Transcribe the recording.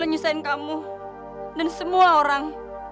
lepaskan dia tuan nong